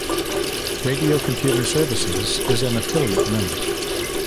Radio Computing Services is an affiliate member.